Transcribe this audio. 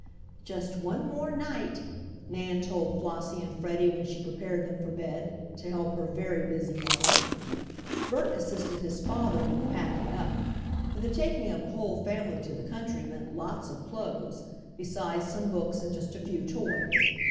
"Just one more night," Nan told Flossie and Freddie when she prepared them for bed, to help her very busy mother. Bert assisted his father with the packing up, for the taking of a whole family to the country meant lots of clothes, besides some books and just a few toys.